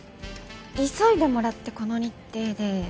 急いでもらってこの日程で。